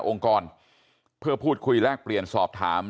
องค์กรเพื่อพูดคุยแลกเปลี่ยนสอบถาม